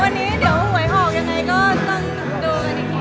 วันนี้เดี๋ยวหวยออกยังไงก็ต้องดูกันอีกที